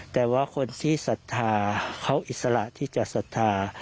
แต่ว่าคนที่ศรัทธาเขาอิสระที่จะศรัทธา